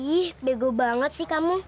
ih bego banget sih kamu